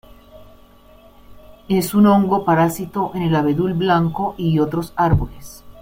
Es un hongo parásito en el abedul blanco y otros árboles.